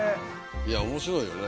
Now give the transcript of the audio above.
いや面白いよね。